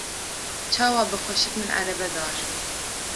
çawa bi xweşik min erebe diajot.